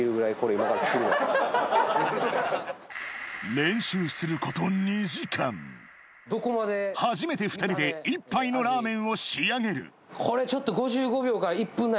練習すること初めて２人で１杯のラーメンを仕上げるこれちょっと。